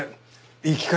いい機会だ。